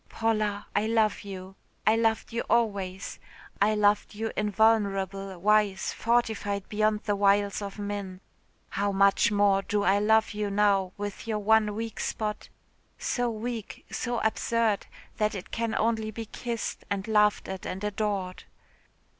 "Paula, I love you. I loved you always. I loved you invulnerable, wise, fortified beyond the wiles of men. How much more do I love you now with your one weak spot so weak, so absurd that it can only be kissed, and laughed at and adored.